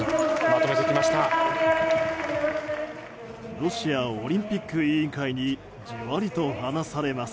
ロシアオリンピック委員会にじわりと離されます。